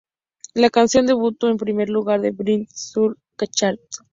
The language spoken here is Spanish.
La canción debutó en primer lugar en "Billboard"'s Latin Airplay chart.